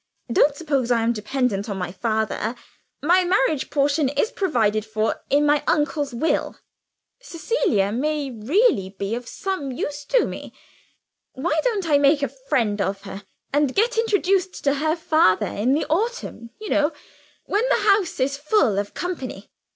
(Don't suppose I am dependent on my father; my marriage portion is provided for in my uncle's will.) Cecilia may really be of some use to me. Why shouldn't I make a friend of her, and get introduced to her father in the autumn, you know, when the house is full of company?